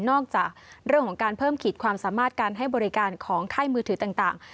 จากเรื่องของการเพิ่มขีดความสามารถการให้บริการของค่ายมือถือต่าง